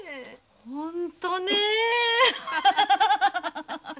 本当ねえ。